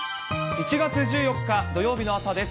１月１４日土曜日の朝です。